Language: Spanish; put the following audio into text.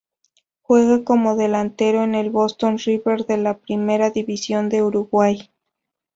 Juega como delantero en el Boston River de la Primera División de Uruguay.